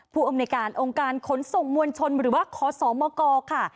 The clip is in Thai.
ผู้อำนวยการองค์การขนส่งมวลชนหรือว่าขอสมกค่ะ